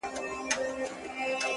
پلی درومي او په مخ کي یې ګوډ خر دی.!